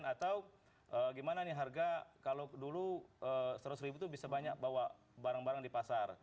atau gimana nih harga kalau dulu seratus ribu itu bisa banyak bawa barang barang di pasar